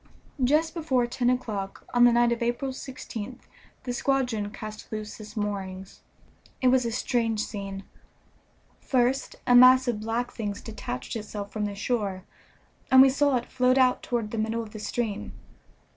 Just before ten o'clock on the night of April 16th the squadron cast loose its moorings. It was a strange scene. First a mass of black things detached itself from the shore, and we saw it float out toward the middle of the stream.